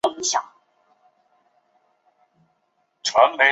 缩头鱼虱似乎不会对鱼的身体造成其他伤害。